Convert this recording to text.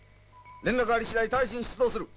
連絡あり次第直ちに出動する。